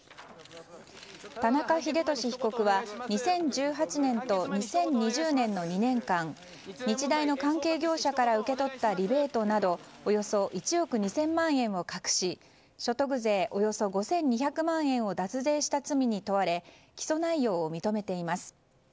田中英寿被告は２０１８年と２０２０年の２年間日大の関係業者から受け取ったリベートなどおよそ１億２０００万円を隠し所得税およそ５２００万円を脱税した罪に問われ起訴内容を認めています。